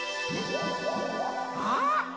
あっ！